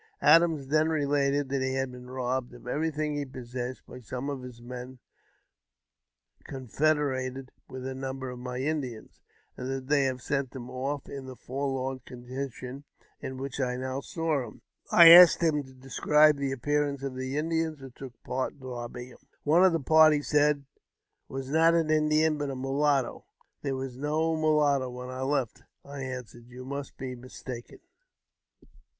Adams then related that he hi been robbed of everything he possessed by some of his me confederated with a number of my Indians, and that they ha^ sent him off in the forlorn condition in which I now saw him» I asked him to describe the appearance of the Indians wh took part in robbing him. "One of the party," said he, "was not an Indian, but mulatto." " There was no mulatto when I left," I answered, " and yo must be mistaken."